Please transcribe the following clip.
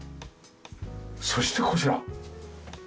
そしてこちら。